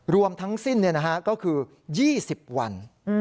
รวมทั้งสิ้นนะครับก็คือ๒๐วัน